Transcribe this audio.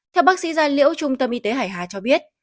theo bác sĩ gia liễu trung tâm y tế hải hà cho biết